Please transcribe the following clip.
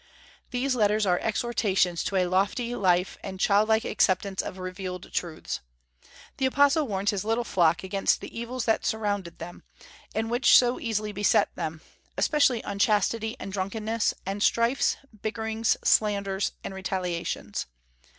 These letters are exhortations to a lofty life and childlike acceptance of revealed truths. The apostle warns his little flock against the evils that surrounded them, and which so easily beset them, especially unchastity and drunkenness, and strifes, bickerings, slanders, and retaliations.